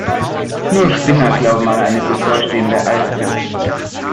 Nur Spinner glauben an eine bevorstehende Eiszeit.